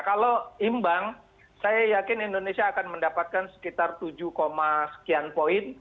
kalau imbang saya yakin indonesia akan mendapatkan sekitar tujuh sekian poin